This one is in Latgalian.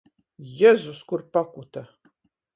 Jezus, kur pakuta!